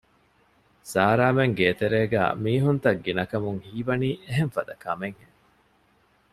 ސާރާމެން ގޭތެރޭގައި މީހުންތައް ގިނަކަމުން ހީވަނީ އެހެން ފަދަ ކަމެއް ހެން